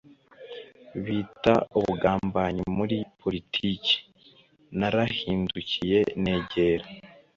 bita ubugambanyi muri politiki. Narahindukiye negera